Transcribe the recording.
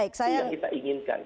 itu yang kita inginkan